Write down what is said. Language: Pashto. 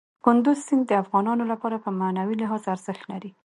کندز سیند د افغانانو لپاره په معنوي لحاظ ارزښت لري.